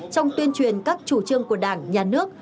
trong tuyên truyền các chủ trương của đảng nhà nước